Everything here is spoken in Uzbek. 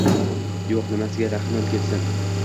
- Yo‘q, nimasiga rahmim kelsin?